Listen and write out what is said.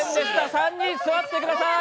３人、座ってください！